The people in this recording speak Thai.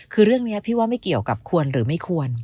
คือเรื่องนี้พี่ว่าไม่เกี่ยวกับควรหรือไม่ควร